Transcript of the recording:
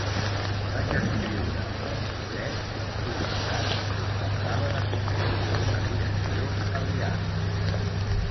Vaig escriure un llibret l’estiu passat on parlava de construir una direcció aliada.